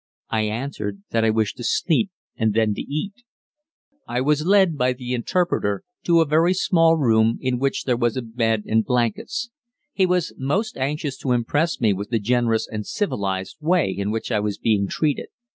I answered that I wished to sleep and then to eat. I was led by the interpreter to a very small room in which there was a bed and blankets. He was most anxious to impress me with the generous and civilized way in which I was being treated.